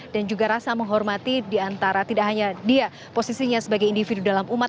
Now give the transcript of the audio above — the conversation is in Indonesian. dan juga rasa menghormati diantara tidak hanya dia posisinya sebagai individu dalam umat